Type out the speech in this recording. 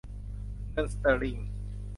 เงินสเตอร์ลิง